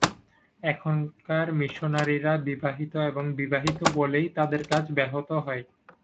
এখনকার মিশনারীরা বিবাহিত এবং বিবাহিত বলেই তাদের কাজ ব্যাহত হয়।